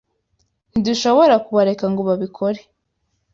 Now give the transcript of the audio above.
Ntidushobora kubareka ngo babikore